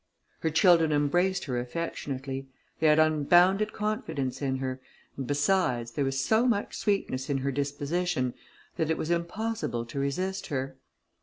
Her children embraced her affectionately; they had unbounded confidence in her, and besides, there was so much sweetness in her disposition, that it was impossible to resist her.